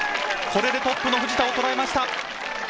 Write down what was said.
これでトップの藤田をとらえました！